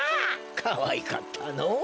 かわいかったのぉ。